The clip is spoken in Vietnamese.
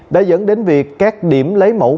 đã dẫn đến việc các điểm lấy mẫu